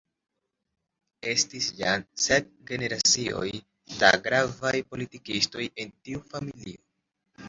Estis jam sep generacioj da gravaj politikistoj el tiu familio.